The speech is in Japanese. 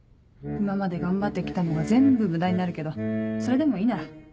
今まで頑張って来たのが全部無駄になるけどそれでもいいなら。